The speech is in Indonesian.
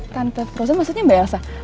tante prosa maksudnya mbak elsa